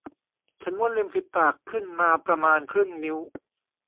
ฉันม้วนริมฝีปากขึ้นมาประมาณครึ่งนิ้ว